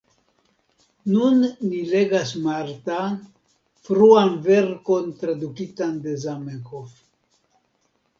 Nun ni legas Marta, fruan verkon tradukitan de Zamenhof.